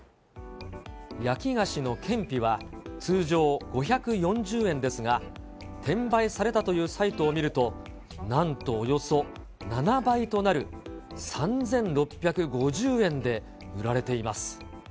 焼き菓子のケンピは通常５４０円ですが、転売されたというサイトを見ると、なんとおよそ７倍となる、３６５０円で売られています。